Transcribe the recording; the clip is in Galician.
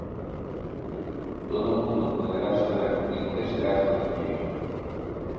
Todo o mundo poderá saber en que se gasta o diñeiro.